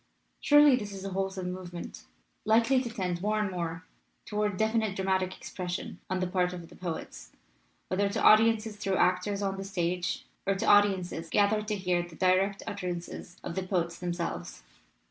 Surely this is a wholesome movement, likely to tend more and more toward definite dramatic expression on the part of the poets, whether to audiences through actors on the stage, or to audiences gathered to hear the direct utterances of the poets themselves.